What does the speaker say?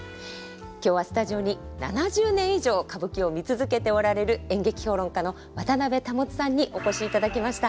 今日はスタジオに７０年以上歌舞伎を見続けておられる演劇評論家の渡辺保さんにお越しいただきました。